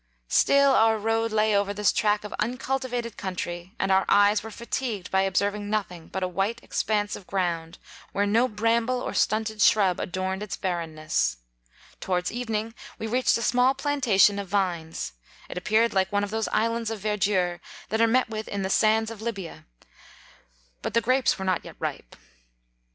Still our road lay over this track of uncultivated country, and our eye$ were fatigued by observing nothing but a white expanse of ground, where no bramble or stunted shrub adorned its barrenness. Towards evening we reached a small plantation of vines, it appeared like one of those islands of verdure that are met with in the midst 26 of the sands of Lybia, but the grapes were not yet ripe.